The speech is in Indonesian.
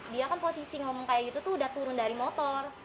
dia kan posisi ngomong kayak gitu tuh udah turun dari motor